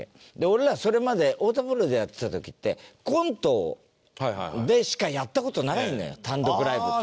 俺らはそれまで太田プロでやってた時ってコントでしかやった事ないのよ単独ライブって。